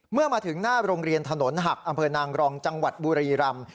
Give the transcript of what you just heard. เมื่อมาถึงหน้าโรงเรียนถนนหักอำเภอนางรองจังหวัดบุรีรำ